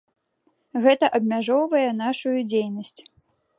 Гэта абмяжоўвае нашую дзейнасць.